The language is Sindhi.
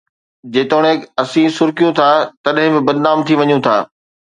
جيتوڻيڪ اسين سُرڪيون ٿا، تڏهن به بدنام ٿي وڃون ٿا.